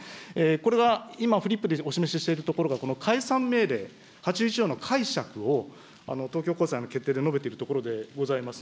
これは今フリップでお示ししているところが、この解散命令、８１条の解釈を東京高裁の決定で述べているところでございます。